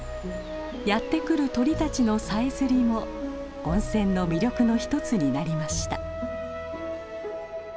やって来る鳥たちのさえずりも温泉の魅力の一つになりました。